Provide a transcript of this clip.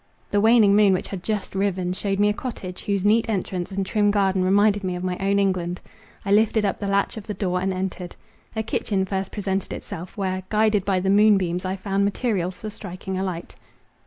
The waning moon, which had just risen, shewed me a cottage, whose neat entrance and trim garden reminded me of my own England. I lifted up the latch of the door and entered. A kitchen first presented itself, where, guided by the moon beams, I found materials for striking a light.